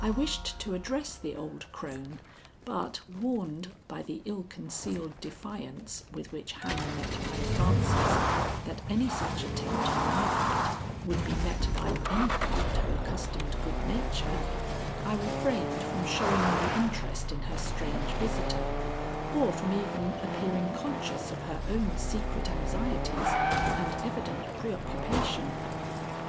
I wished to address the old crone, but warned, by the ill concealed defiance with which Hannah met my advances, that any such attempt on my part would be met by anything but her accustomed good nature, I refrained from showing my interest in her strange visitor, or from even appearing conscious of her own secret anxieties and evident preoccupation.